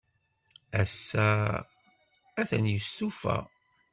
Ass-a, atan yestufa.